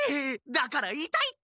だからいたいって！